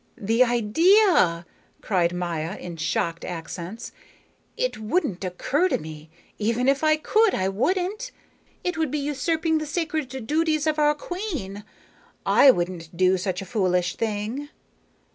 "The idea!" cried Maya in shocked accents. "It wouldn't occur to me. Even if I could, I wouldn't. It would be usurping the sacred duties of our queen. I wouldn't do such a foolish thing."